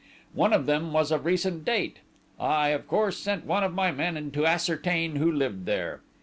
One of them was of recent date. I, of course, sent one of my men to ascertain who lived there!